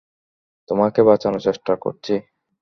তোমাকে বাঁচানোর চেষ্টা করছি।